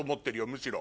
むしろ。